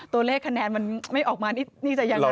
ตัวเลขคะแนนมันไม่ออกมานี่จะยังไง